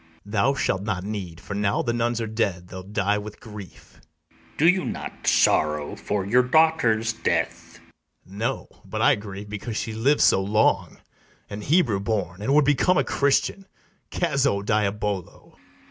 Thou shalt not need; for, now the nuns are dead, They'll die with grief. ITHAMORE. Do you not sorrow for your daughter's death? BARABAS. No, but I grieve because she liv'd so long, An Hebrew born, and would become a Christian: Cazzo, diabolo! ITHAMORE.